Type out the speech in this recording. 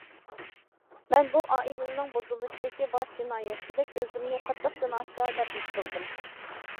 مەن بۇ ئائىلىنىڭ بۇزۇلۇشىدىكى باش جىنايەتچىدەك ئۆزۈمنى قاتتىق گۇناھكار دەپ ھېس قىلدىم.